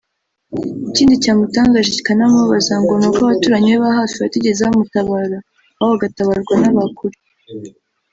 Ikindi cyamutangaje kikanamubabaza ngo ni uko abaturanyi be ba hafi batigeze bamutabara ahubwo agatabarwa n’aba kure